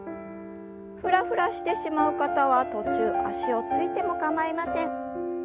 ふらふらしてしまう方は途中足をついても構いません。